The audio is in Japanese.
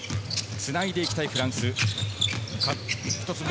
つないでいきたいフランス。